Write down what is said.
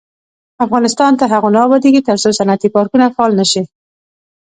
افغانستان تر هغو نه ابادیږي، ترڅو صنعتي پارکونه فعال نشي.